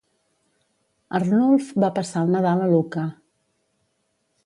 Arnulf va passar el Nadal a Lucca.